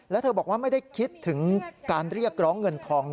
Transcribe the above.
แล้วเธอบอกว่าไม่ได้คิดถึงการเรียกร้องเงินทอง